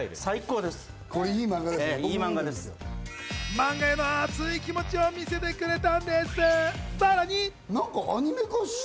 マンガへの熱い気持ちを見せてくれたんです。